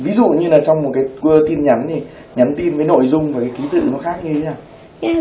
ví dụ như trong một tin nhắn nhắn tin với nội dung và ký tự nó khác như thế nào